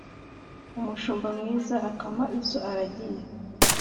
umushumba mwiza akama izo aragiye